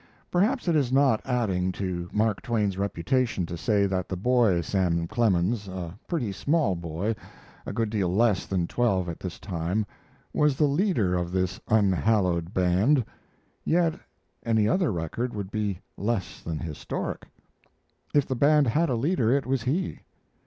Perhaps it is not adding to Mark Twain's reputation to say that the boy Sam Clemens a pretty small boy, a good deal less than twelve at this time was the leader of this unhallowed band; yet any other record would be less than historic. If the band had a leader, it was he.